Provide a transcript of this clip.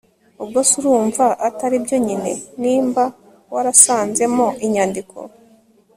ubwo se urumva ataribyo nyine, nimba warasanzemo i nyandiko